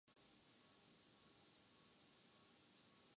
اُس تحیّر کی وساطت سے تُم آؤ جاؤ